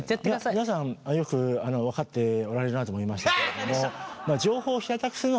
諸皆さんよく分かっておられるなと思いましたけれど。